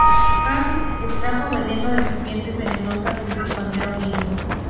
Haast extrajo veneno de serpientes venenosas desde cuando era un niño.